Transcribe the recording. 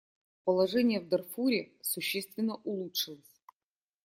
Положение в Дарфуре существенно улучшилось.